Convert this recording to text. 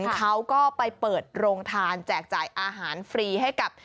เขาก็ไปเปิดโรงทานแจกจ่ายอาหารฟรีให้กับ